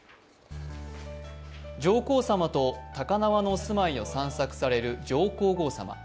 上皇さまと高輪のお住まいを散策される上皇后さま。